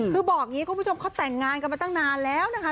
คือบอกอย่างนี้คุณผู้ชมเขาแต่งงานกันมาตั้งนานแล้วนะคะ